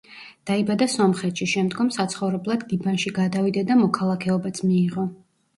დაიბადა სომხეთში, შემდგომ საცხოვრებლად ლიბანში გადავიდა და მოქალაქეობაც მიიღო.